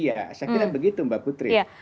ya saya kira begitu mbak putri